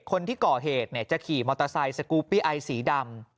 คนที่ก่อเหตุจะขี่มอเตอร์ไซค์สกูปปี้ไอสีดำ